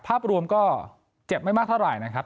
ภาพรวมก็เจ็บไม่มากเท่าไหร่นะครับ